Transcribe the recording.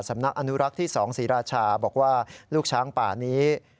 สำนักอนุรักษ์ที่๒ศรีราชาบอกว่าลูกช้างป่านี้